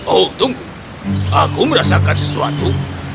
oh tunggu aku merasakan sesuatu